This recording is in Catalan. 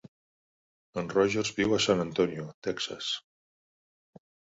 En Rogers viu a San Antonio, Texas.